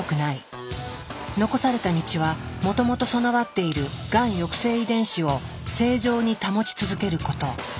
残された道はもともと備わっているがん抑制遺伝子を正常に保ち続けること。